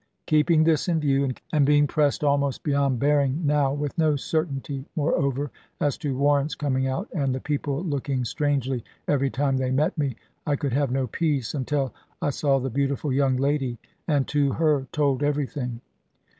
Keeping this in view, and being pressed almost beyond bearing now, with no certainty, moreover, as to warrants coming out, and the people looking strangely, every time they met me, I could have no peace until I saw the beautiful young lady, and to her told everything.